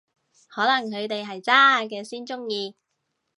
可能佢哋係渣嘅先鍾意